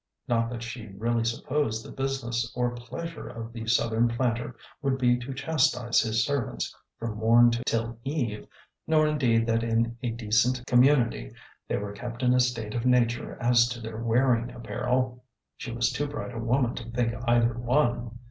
Not that she really supposed the business or pleasure of the Southern planter would be to chastise his servants from morn till eve, nor indeed that in a decent com munity they were kept in a state of nature as to their wearing apparel,— she was too bright a woman to think either one.